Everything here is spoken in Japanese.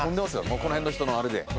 この辺の人のあれで。